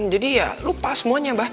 jadi ya lupa semuanya